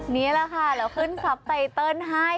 นี่แหละค่ะเราขึ้นทรัพย์ไตเติลให้